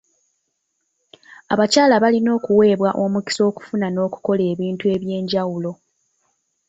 Abakyala balina okuweebwa omukisa okufuna n'okukola ebintu ebyenjawulo